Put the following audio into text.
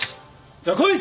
じゃあ来い！